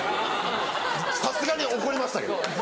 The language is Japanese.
さすがに怒りましたけどね。